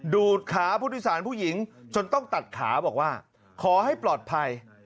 ดูดขาผู้โดยสารผู้หญิงจนต้องตัดขาบอกว่าขอให้ปลอดภัย